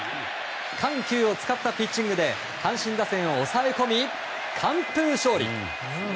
緩急を使ったピッチングで阪神打線を抑え込み完封勝利。